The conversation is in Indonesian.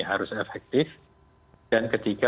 harus efektif dan ketiga